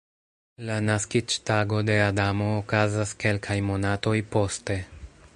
La naskiĝtago de Adamo okazas kelkaj monatoj poste.